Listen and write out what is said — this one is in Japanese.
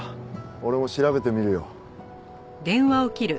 俺も調べてみるよ。